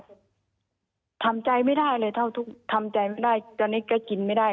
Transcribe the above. ทำใจไม่ได้เลยเท่าทุกข์ทำใจไม่ได้ตอนนี้ก็กินไม่ได้